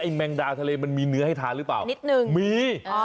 แมงดาทะเลมันมีเนื้อให้ทานหรือเปล่านิดนึงมี